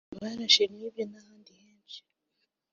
barashe Libye n’ahandi henshi